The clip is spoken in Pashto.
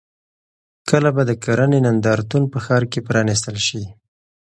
کله به د کرنې نندارتون په ښار کې پرانیستل شي؟